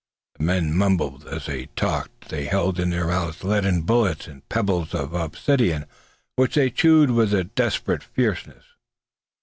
The men mumbled as they talked. They held in their mouths leaden bullets and pebbles of obsidian, which they chewed with a desperate fierceness.